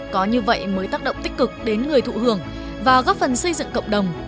có như vậy mới tác động tích cực đến người thụ hưởng và góp phần xây dựng cộng đồng